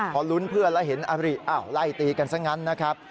พอลุ้นเพื่อนแล้วเห็นอาริอ้าวไล่ตีกันซะงั้นนะครับ